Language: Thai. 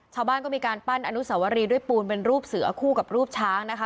ชาวบ้านก็มีการปั้นอนุสวรีด้วยปูนเป็นรูปเสือคู่กับรูปช้างนะคะ